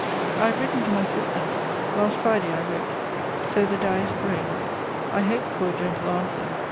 I have written to my sister. Last Friday I wrote. So the die is thrown. I hope for a gentle answer.